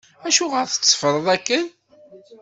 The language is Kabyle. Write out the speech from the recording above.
Acuɣer tetteffreḍ akken?